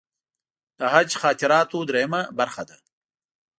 د حج خاطراتو درېیمه برخه ده.